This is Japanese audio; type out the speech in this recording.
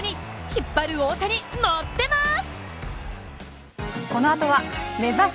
引っ張る大谷、ノってます。